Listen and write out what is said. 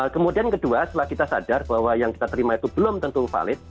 kemudian kedua setelah kita sadar bahwa yang kita terima itu belum tentu valid